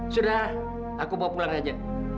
sudah aku bawa pulang aja